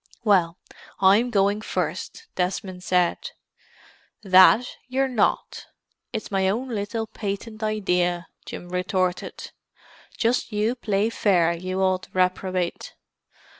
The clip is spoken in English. "Well—I'm going first," Desmond said. "That you're not—it's my own little patent idea," Jim retorted. "Just you play fair, you old reprobate.